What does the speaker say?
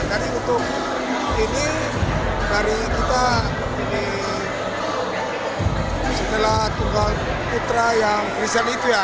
jadi untuk ini dari kita setelah tunggal putra yang christian itu ya